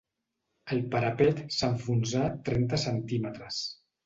El parapet s'enfonsà trenta centímetres